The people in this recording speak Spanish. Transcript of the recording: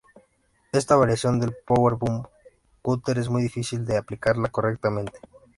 Esta variación del powerbomb cutter es muy difícil de aplicarla correctamente.